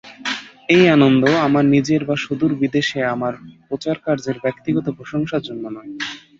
এই আনন্দ, আমার নিজের বা সুদূর বিদেশে আমার প্রচারকার্যের ব্যক্তিগত প্রশংসার জন্য নয়।